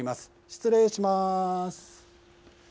失礼します。